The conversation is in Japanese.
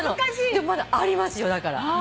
でもまだありますよだから。